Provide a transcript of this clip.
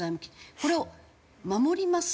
これを守りますかしら？